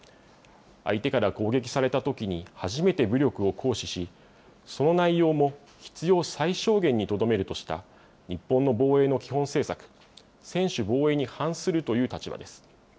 相手から攻撃されたときに初めて武力を行使し、その内容も必要最小限にとどめるとした、日本の防衛の基本政策、専守防衛に反するという立場です。